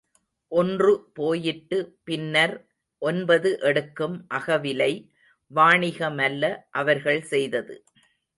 ஒன்று போட்டு பின்னர் ஒன்பது எடுக்கும் அகவிலை வாணிகமல்ல, அவர்கள் செய்தது.